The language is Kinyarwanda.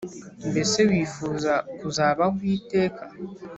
Mbese wifuza kuzabaho iteka